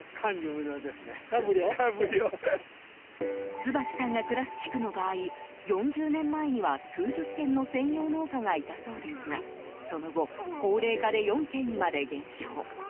椿さんが暮らす地区の場合４０年前には数十軒の専業農家がいたそうですがその後高齢化で４軒にまで減少。